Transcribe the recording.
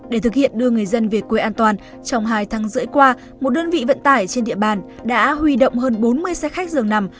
để thực hiện đưa người dân về quê an toàn trong hai tháng rưỡi qua một đơn vị vận tải trên địa bàn đã huy động hơn bốn mươi xe khách dường nằm